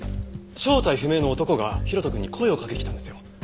正体不明の男が大翔くんに声をかけてきたんですよ。